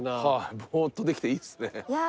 ぼうっとできていいですね。